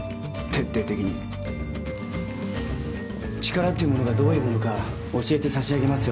力っていうものがどういうものか教えて差し上げますよ